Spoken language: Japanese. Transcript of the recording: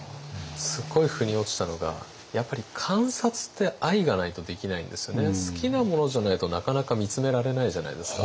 すっごいふに落ちたのがやっぱり好きなものじゃないとなかなか見つめられないじゃないですか。